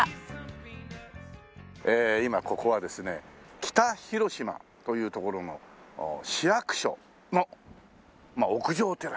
今ここはですね北広島という所の市役所の屋上テラスにいますね。